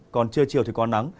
còn trưa chiều thì có nắng